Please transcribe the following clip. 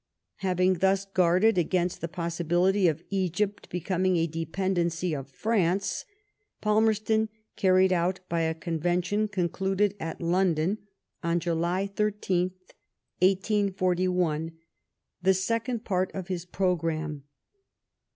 Having thus guarded against the possibility of Egypt becoming a dependency of France, Falmerston carried] out, by a Convention con cluded at London on July 18th, 1841, the second part of his programme.